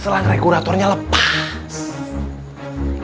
selang regulatornya lepas